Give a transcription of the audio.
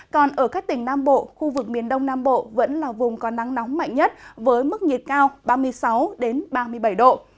còn ở các tỉnh nam bộ khu vực miền đông nam bộ vẫn là vùng có nắng nóng mạnh nhất với mức nhiệt cao ba mươi sáu ba mươi bảy độ